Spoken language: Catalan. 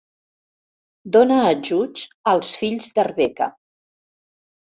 Dóna ajuts als fills d'Arbeca.